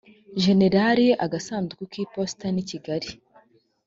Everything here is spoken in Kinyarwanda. generali agasanduku k iposita ni kigali